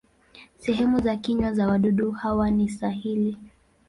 Sehemu za kinywa za wadudu hawa ni sahili.